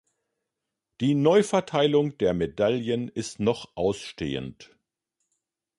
Die Neuverteilung der Medaillen ist noch ausstehend.